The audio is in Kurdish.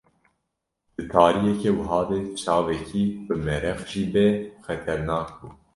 Di tariyeke wiha de çavekî bimereq jî bê xeternak bû.